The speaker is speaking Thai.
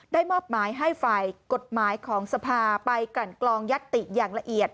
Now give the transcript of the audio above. มอบหมายให้ฝ่ายกฎหมายของสภาไปกลั่นกลองยัตติอย่างละเอียด